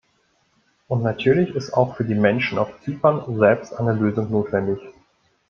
Und natürlich ist auch für die Menschen auf Zypern selbst eine Lösung notwendig.